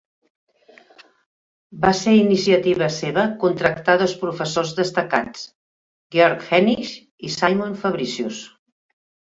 Va ser iniciativa seva contractar dos professors destacats: Georg Henisch i Simon Fabricius.